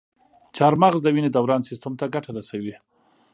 چارمغز د وینې دوران سیستم ته ګټه رسوي.